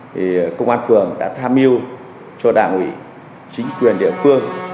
thì công an phường đã tham mưu cho đảng ủy chính quyền địa phương